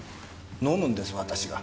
飲むんです私が。